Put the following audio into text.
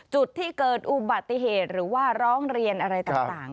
จุดที่เกิดอุบัติเหตุหรือว่าร้องเรียนอะไรต่าง